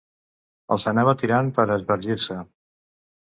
Els anava tirant per a esbargir-se.